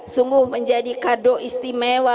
sungguh menjadi kado istimewa